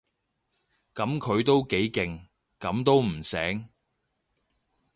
噉佢都幾勁，噉都唔醒